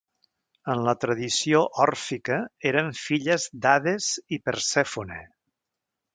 En la tradició òrfica, eren filles d'Hades i Persèfone.